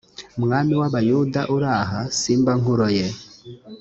umwami w abayuda uri aha simba nkuroye